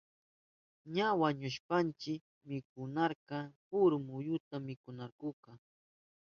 Ña wañuhushpanshi kiwnarka puru muyuta mikushkankunata.